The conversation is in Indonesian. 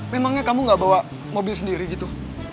memangnya kamu gak bawa mobil sendiri gitu